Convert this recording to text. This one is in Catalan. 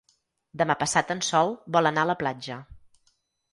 Demà passat en Sol vol anar a la platja.